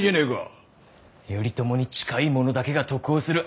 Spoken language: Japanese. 頼朝に近い者だけが得をする。